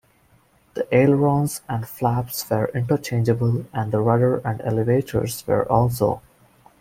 The ailerons and flaps were interchangeable and the rudder and elevators were also.